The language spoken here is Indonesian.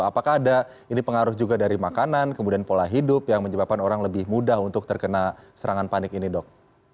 apakah ada ini pengaruh juga dari makanan kemudian pola hidup yang menyebabkan orang lebih mudah untuk terkena serangan panik ini dok